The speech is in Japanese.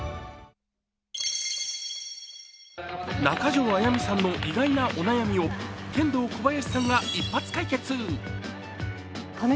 中条あやみさんの意外なお悩みをケンドーコバヤシさんが一発解決。